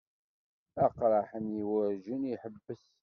Aqraḥ-nni werjin iḥebbes.